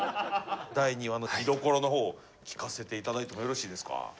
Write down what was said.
第２話の見どころのほうを聞かせていただいてもよろしいですか。